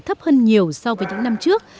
thấp hơn nhiều so với những năm trước